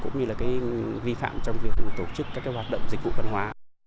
những vi phạm trong việc tổ chức các hoạt động dịch vụ văn hóa